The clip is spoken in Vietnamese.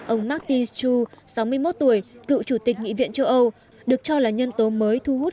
ông marti sho sáu mươi một tuổi cựu chủ tịch nghị viện châu âu được cho là nhân tố mới thu hút